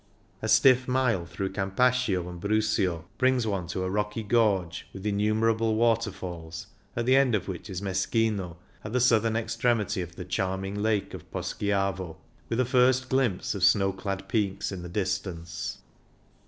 A stiff mile through Campascio and Brusio brings one 46 CYCLING IN THE ALPS to a rocky gorge, with innumerable water falls, at the end of which is Meschino, at the southern extremity of the charming lake of Poschiavo, with a first glimpse of snow clad peaks in the distance.